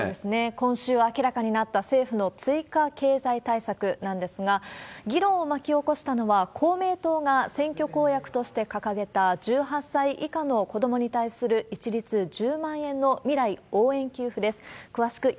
今週明らかになった政府の追加経済対策なんですが、議論を巻き起こしたのは公明党が選挙公約として掲げた、１８歳以下の子どもに対する一律１０万円の未来応援給付です。